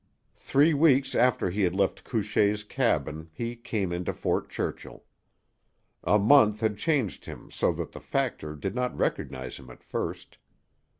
Three weeks after he had left Couchée's cabin he came into Fort Churchill. A month had changed him so that the factor did not recognize him at first.